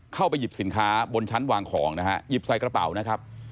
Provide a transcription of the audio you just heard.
เข้าไปหยิบสินค้าบนชั้นวางของนะฮะหยิบใส่กระเป๋านะครับ